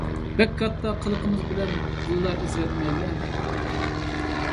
بەك كاتتا قىلقىلىمىز بىلەن دىللار ئىزىۋەتمەيلى ،